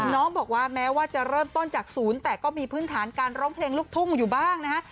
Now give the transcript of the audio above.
น้องบอกว่าแม้ว่าจะเริ่มต้นจากศูนย์แต่ก็มีพื้นฐานการร้องเพลงลูกทุ่งอยู่บ้างนะฮะ